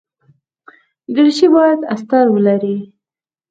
دریشي باید استر لري.